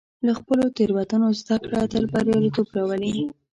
له خپلو تېروتنو زده کړه تل بریالیتوب راولي.